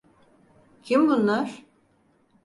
Kim bunlar?